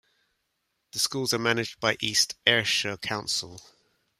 The schools are managed by East Ayrshire Council.